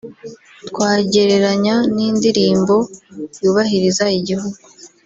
twagereranya n’indirimbo yubahiriza igihugu